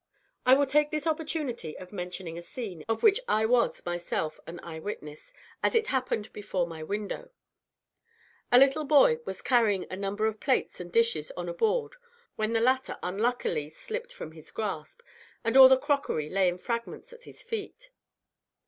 I will take this opportunity of mentioning a scene, of which I was myself an eye witness, as it happened before my window. A little boy was carrying a number of plates and dishes on a board, when the latter unluckily slipped from his grasp, and all the crockery lay in fragments at his feet.